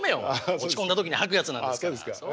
落ち込んだ時に吐くやつなんですから。